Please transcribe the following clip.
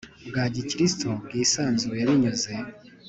Bwa gikristo bwisanzuye binyuze